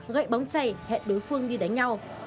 gậy bóng chày hẹn đối phương đi đánh nhau